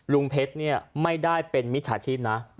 ลุงเพชรเนี่ยไม่ได้เป็นมิจฉาชีพนะ